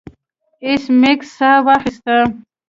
ایس میکس ساه واخیسته